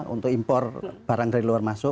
untuk impor barang dari luar masuk